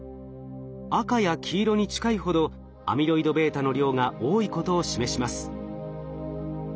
赤や黄色に近いほどアミロイドβの量が多いことを示します。